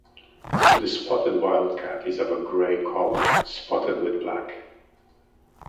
The spotted wildcat is of a grey colour, spotted with black.